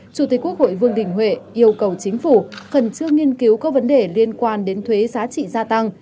chủ tịch quốc hội vương đình huệ yêu cầu chính phủ khẩn trương nghiên cứu các vấn đề liên quan đến thuế giá trị gia tăng